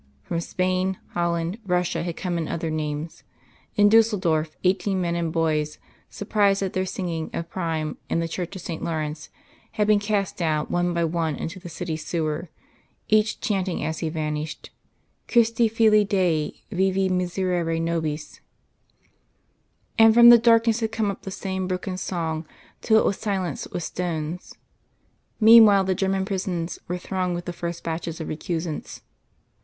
From Spain, Holland, Russia had come in other names. In Dusseldorf eighteen men and boys, surprised at their singing of Prime in the church of Saint Laurence, had been cast down one by one into the city sewer, each chanting as he vanished: "Christi Fili Dei vivi miserere nobis," and from the darkness had come up the same broken song till it was silenced with stones. Meanwhile, the German prisons were thronged with the first batches of recusants.